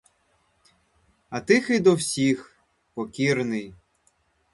А тихий до всіх, покірний.